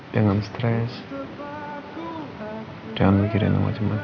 jangan stres jangan mikirin macam macam